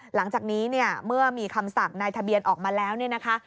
หลังจากนี้เนี่ยเมื่อมีคำสั่งนายทะเบียนออกมาแล้วเนี่ยนะคะ